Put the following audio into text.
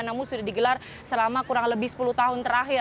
namun sudah digelar selama kurang lebih sepuluh tahun terakhir